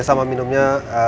ya sama minumnya